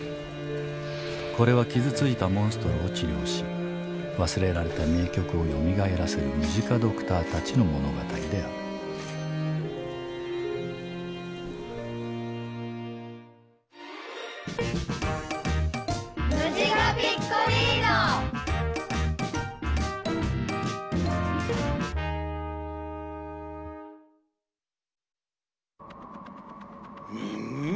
これは傷ついたモンストロを治療し忘れられた名曲をよみがえらせるムジカドクターたちの物語であるむむ？